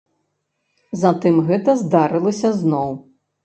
Затым гэта здарылася зноў.